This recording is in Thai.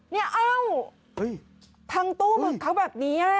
เนี่ยเอ้าพังตู้หมึกเขาแบบนี้